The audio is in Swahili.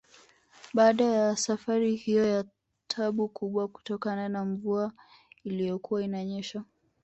Baada ya safari hiyo ya tabu kubwa kutokana na mvua iliyokuwa inanyesha